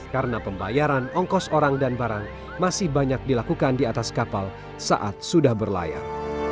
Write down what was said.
karena pembayaran ongkos orang dan barang masih banyak dilakukan di atas kapal saat sudah berlayar